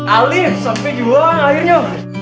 alif sampai juang akhirnya